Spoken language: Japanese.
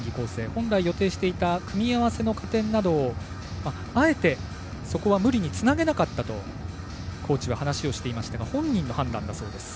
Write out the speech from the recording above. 本来予定していた組み合わせの加点などをあえてそこは無理につなげなかったとコーチは話をしていましたが本人の判断だそうです。